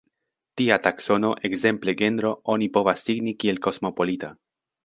Tia taksono, ekzemple genro, oni povas signi kiel kosmopolita.